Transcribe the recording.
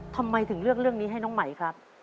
ทำไมถึงเลือกเรื่องนี้ให้น้องไหมครับ